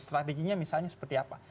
strateginya misalnya seperti apa